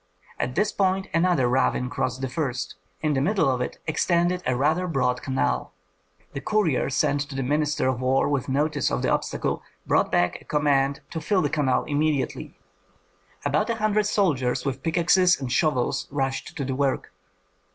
At this point another ravine crossed the first; in the middle of it extended a rather broad canal. The courier sent to the minister of war with notice of the obstacle brought back a command to fill the canal immediately. About a hundred soldiers with pickaxes and shovels rushed to the work.